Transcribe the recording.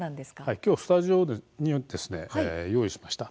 きょうスタジオに用意しました。